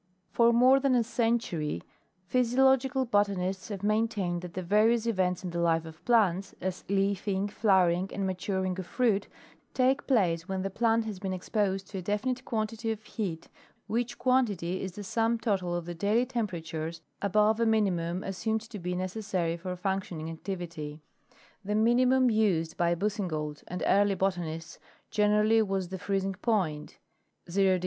For more than a century physiological botanists have main tained that the various events in the life of plants, as leafing, flowering and maturing of fruit, take place when the plant has been exposed to a definite quantity of heat, which quantity is the sum total of the daily temperatures above a minimum as sumed to; be necessary for functional activity. The minimum used. by Boussingault and early botanists generally was the freez ing point (0° C.